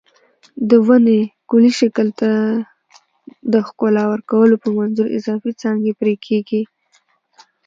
د ونې کلي شکل ته د ښکلا ورکولو په منظور اضافي څانګې پرې کېږي.